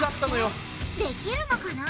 逆転できるのかな？